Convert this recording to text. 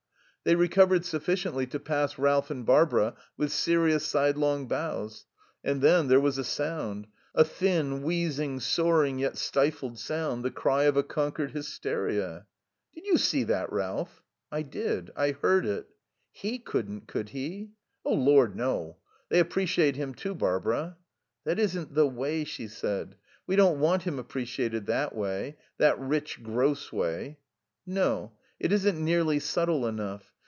They recovered sufficiently to pass Ralph and Barbara with serious, sidelong bows. And then there was a sound, a thin, wheezing, soaring yet stifled sound, the cry of a conquered hysteria. "Did you see that, Ralph?" "I did. I heard it." "He couldn't, could he?" "Oh, Lord, no.... They appreciate him, too, Barbara." "That isn't the way," she said. "We don't want him appreciated that way. That rich, gross way." "No. It isn't nearly subtle enough.